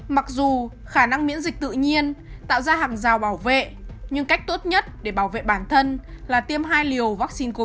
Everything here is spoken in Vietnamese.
mặc dù khả năng miễn dịch tự nhiên tạo ra hàng rào bảo vệ nhưng cách tốt nhất để bảo vệ bản thân là tiêm hai liều vaccine covid một mươi chín